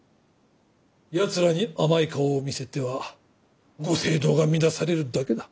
やつらに甘い顔を見せてはご政道が乱されるだけだ。